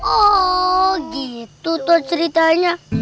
oh gitu tuh ceritanya